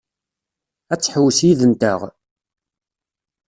Ad tḥewwes yid-nteɣ?